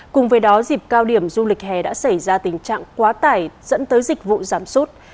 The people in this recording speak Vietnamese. cùng với đó dịp cao điểm du lịch hè đã xảy ra tình trạng quá tải dẫn tới dịch vụ giảm sút